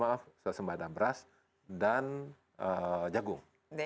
maaf suasembada beras dan jagung